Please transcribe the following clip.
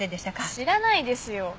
知らないですよ。